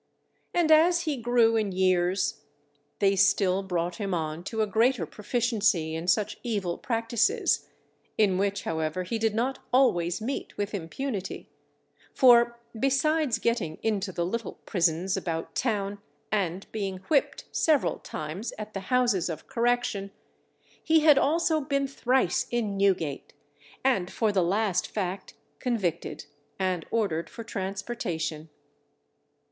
And as he grew in years they still brought him on to a greater proficiency in such evil practices, in which however he did not always meet with impunity; for besides getting into the little prisons about town, and being whipped several times at the houses of correction, he had also been thrice in Newgate, and for the last fact convicted and ordered for transportation.